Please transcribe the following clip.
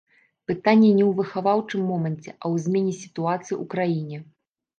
Пытанне не ў выхаваўчым моманце, а ў змене сітуацыі ў краіне.